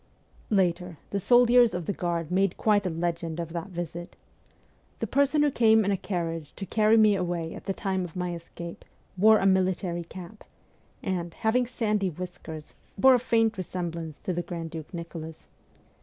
Later, the soldiers of the guard made quite a legend cf that visit. The person who came in a carriage to carry me away at the time of my escape wore a military cap, and, having sandy whiskers, bore a faint resem blance to the Grand Duke Nicholas.